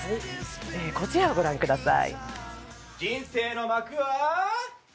こちらをご覧ください。